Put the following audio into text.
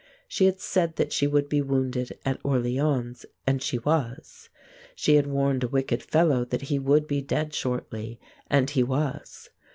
She had said that she would be wounded at Orléans and she was. She had warned a wicked fellow that he would be dead shortly and he was.